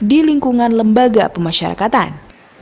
di lingkungan lembaga pemasyarakatan